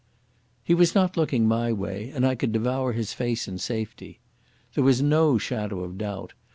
He was not looking my way, and I could devour his face in safety. There was no shadow of doubt.